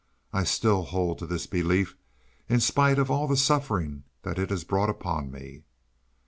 I still hold to this belief, in spite of all the sufferings that it has brought upon me.